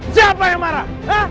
siapa yang marah